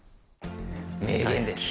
名言です。